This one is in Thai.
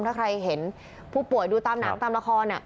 ถ้าใครเห็นผู้ป่วยดูตามหนังตามละคร